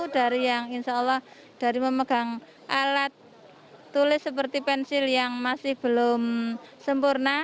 dari yang insya allah dari memegang alat tulis seperti pensil yang masih belum sempurna